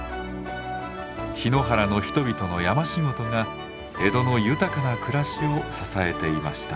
檜原の人々の山仕事が江戸の豊かな暮らしを支えていました。